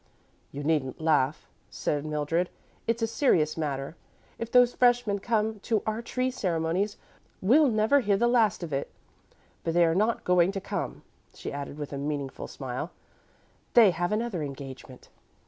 "You needn't laugh," said Mildred. "It's a serious matter. If those freshmen come to our tree ceremonies, we'll never hear the last of it. But they are not going to come," she added with a meaning smile. "They have another engagement.